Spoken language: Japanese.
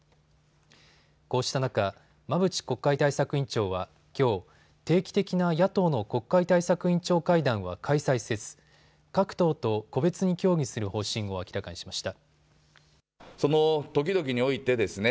こうした中、馬淵国会対策委員長はきょう、定期的な野党の国会対策委員長会談は開催せず各党と個別に協議する方針を明らかにしました。